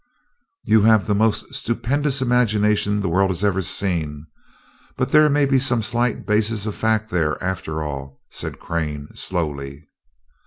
"You have the most stupendous imagination the world has ever seen but there may be some slight basis of fact there, after all," said Crane, slowly.